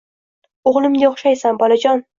O’g’limga o’xshaysan, bolajon!